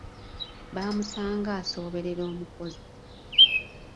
Bamusanga asooberera omukozi.